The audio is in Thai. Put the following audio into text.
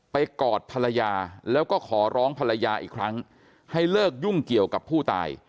กอดภรรยาแล้วก็ขอร้องภรรยาอีกครั้งให้เลิกยุ่งเกี่ยวกับผู้ตาย